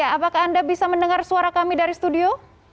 apakah anda bisa mendengar suara kami dari studio